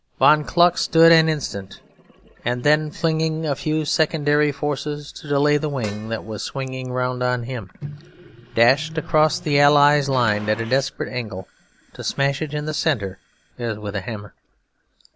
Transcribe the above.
Von Kluck stood an instant; and then, flinging a few secondary forces to delay the wing that was swinging round on him, dashed across the Allies' line at a desperate angle, to smash it in the centre as with a hammer.